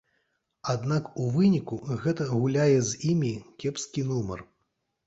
Аднак у выніку гэта гуляе з імі кепскі нумар.